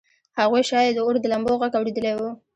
هغوی شاید د اور د لمبو غږ اورېدلی و